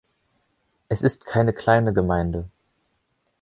Es ist keine kleine Gemeinde.